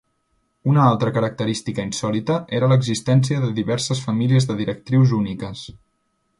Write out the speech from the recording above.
Una altra característica insòlita era l'existència de diverses famílies de directrius úniques.